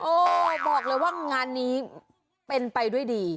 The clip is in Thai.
บอกเลยว่างานนี้เป็นไปด้วยดี